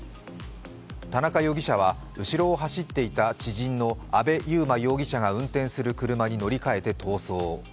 田中容疑者は後ろを走っていた知人の阿部悠真容疑者が運転する車に乗り換えて逃走。